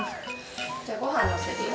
じゃあごはんのせるよ。